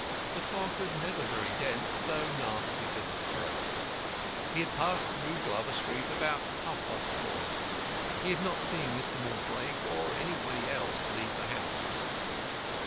The fog was never very dense, though nasty to the throat. He had passed through Glover Street about half past four. He had not seen Mr. Mortlake or anybody else leave the house.